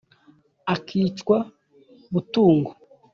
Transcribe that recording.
Akicwa butungo